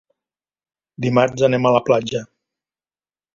Dimarts anem a la platja.